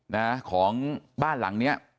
นะฮะของบ้านหลังนี้